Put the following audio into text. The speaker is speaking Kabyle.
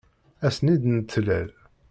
Ass-n i d-nettlal.